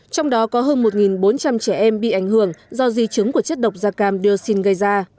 trong đó có hơn một bốn trăm linh trẻ em bị ảnh hưởng do di chứng của chất độc da cam dioxin gây ra